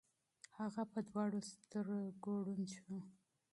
هغه په دواړو سترګو ړوند شو.